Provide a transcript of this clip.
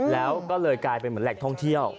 แล้วก็เลยกลายเป็นเหมือนแหล่งท่องเที่ยว